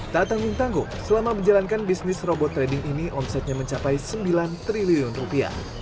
tak tanggung tanggung selama menjalankan bisnis robot trading ini omsetnya mencapai sembilan triliun rupiah